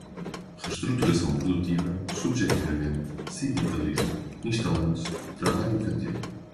Reestruturação produtiva, subjetivamente, sindicalismo, instalando-se, trabalho infantil